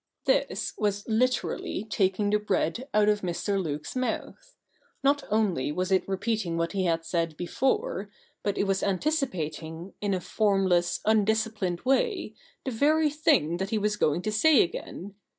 This was literally taking the bread out of Mr. Luke's mouth. Not only was it repeating what he had said before, but it was anticipating, in a formless, undisciplined way, the very thing that he was going to say again.